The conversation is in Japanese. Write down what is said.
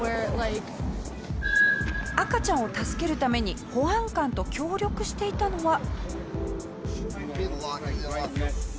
赤ちゃんを助けるために保安官と協力していたのは。